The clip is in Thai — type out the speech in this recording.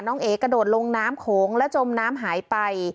เอ๋กระโดดลงน้ำโขงและจมน้ำหายไป